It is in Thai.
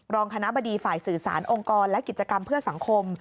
รองคณะบดีฝ่ายสื่อสารองค์กรและกิจกรรมเพื่อสังคม